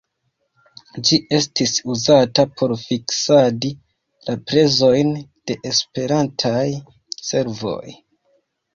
Ĝi estis uzata por fiksadi la prezojn de Esperantaj servoj.